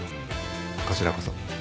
こちらこそ。